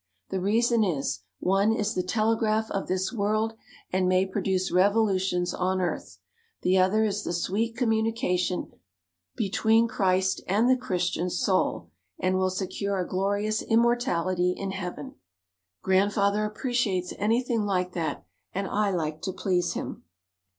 The reason is, one is the telegraph of this world and may produce revolutions on earth; the other is the sweet communication between Christ and the Christian soul and will secure a glorious immortality in Heaven." Grandfather appreciates anything like that and I like to please him.